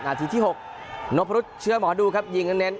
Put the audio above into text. อาทิตย์ที่หกนพรุชเชื่อมหาดูครับยิงเน้น